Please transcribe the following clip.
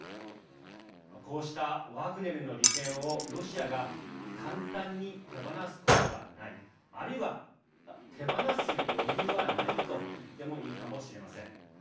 こうしたワグネルの利権をロシアが簡単に手放すことはないあるいは手放す余裕はないと言ってもいいかもしれません。